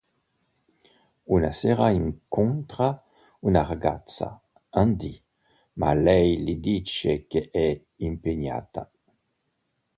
Una sera incontra una ragazza, Andy, ma lei gli dice che è impegnata.